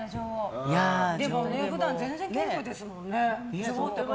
でも、普段全然謙虚ですものね。